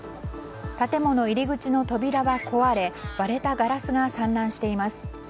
建物入口の扉が壊れ割れたガラスが散乱しています。